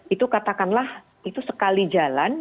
itu katakanlah itu sekali jalan